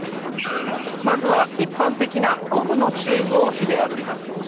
まずは一般的なゴムのチューブを火で炙ります